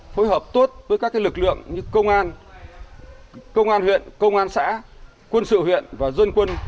phối hợp tốt với các lực lượng như công an công an huyện công an xã quân sự huyện và dân quân